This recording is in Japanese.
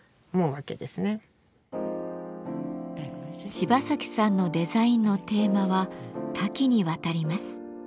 芝崎さんのデザインのテーマは多岐にわたります。